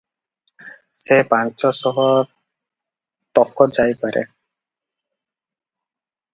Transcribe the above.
ସେ ପାଞ୍ଚଶହ ତକ ଯାଇ ପାରେ ।"